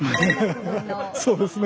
そうですね。